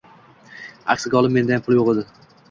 Aksiga olib mendayam pul yo`q edi